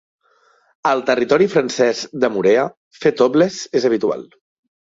Al territori francès de Moorea, fer topless és habitual.